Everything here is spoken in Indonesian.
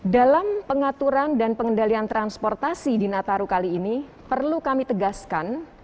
dalam pengaturan dan pengendalian transportasi di nataru kali ini perlu kami tegaskan